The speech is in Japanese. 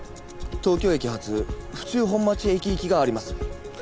東京駅発府中本町駅行きがあります。